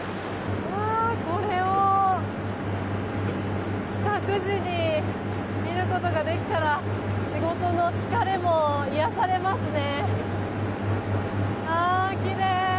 これを帰宅時に見ることができたら仕事の疲れも癒やされますね。